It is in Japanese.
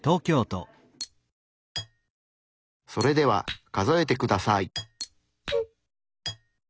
それでは数えてください。